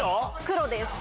黒です。